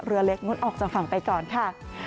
เรือเล็กงดออกจากฝั่งไปก่อนค่ะ